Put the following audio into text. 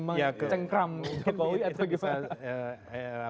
mencengkram jokowi atau gimana